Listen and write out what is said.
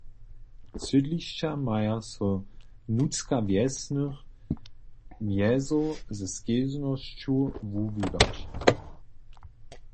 Sydlišća maja so znutřka wjesnych mjezow ze skedźbnosću wuwiwać.